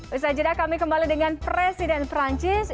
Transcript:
lihat saja dah kami kembali dengan presiden prancis